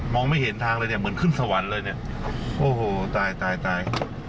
ไม่เห็นทางเลยเนี่ยเหมือนขึ้นสวรรค์เลยเนี่ยโอ้โหตายตายตาย